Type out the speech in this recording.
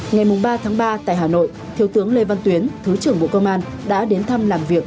ngày ba ba tại hà nội thiếu tướng lê văn tuyến thứ trưởng bộ công an đã đến thăm làm việc